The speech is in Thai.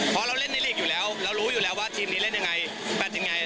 เพราะเราเล่นในลีกอยู่แล้วเรารู้อยู่แล้วว่าทีมนี้เล่นยังไงแฟนยังไง